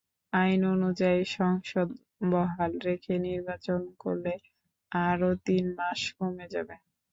আইন অনুযায়ী সংসদ বহাল রেখে নির্বাচন করলে আরও তিন মাস কমে যাবে।